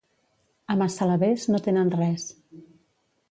A Massalavés no tenen res.